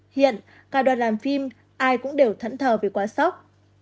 hiện cả đoàn làm phim ai cũng đều thẫn thờ vì quá sốc